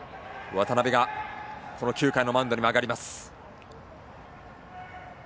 渡邊がこの９回のマウンドにも上がります。